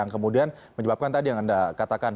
yang kemudian menyebabkan tadi yang anda katakan